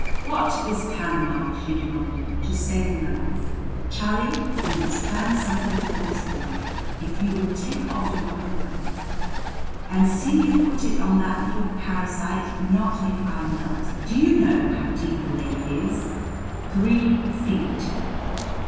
"What is Panama," she demanded, "to saving a life? Charlie, we must plan something for this boy. If you will take off your overcoat " "And see you put it on that little parasite? Not if I melt! Do you know how deep the lake is? Three feet!"